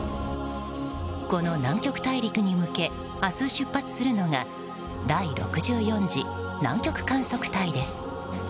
この南極大陸に向け明日、出発するのが第６４次南極観測隊です。